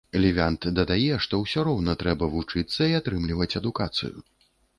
Лівянт дадае, што ўсё роўна трэба вучыцца і атрымліваць адукацыю.